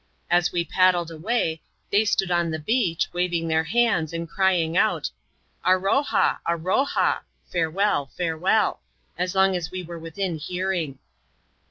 As we paddled away, they stood upon the beach, waving their hands, and cryiijig out, "Aroha! aroha!" (Farewell! farewell!) as long as we were within hearing.